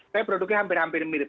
tapi produknya hampir hampir mirip